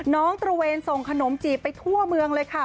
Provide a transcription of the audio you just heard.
ตระเวนส่งขนมจีบไปทั่วเมืองเลยค่ะ